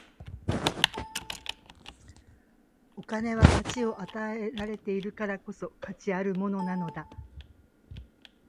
お金は価値を与えられているからこそ、価値あるものなのだ。